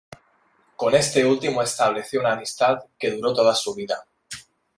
Con este último estableció una amistad que duró toda su vida.